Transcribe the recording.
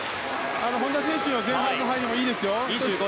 本多選手前半の入りいいですよ。